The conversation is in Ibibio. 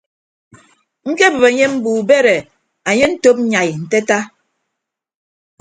Ñkebịp enye mbo ubed e anye antop nyai nte ata.